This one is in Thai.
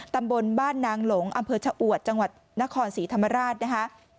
ตำบลบ้านนางหลงอำเภอชะอวดจังหวัดนครศรีธรรมราชนะคะ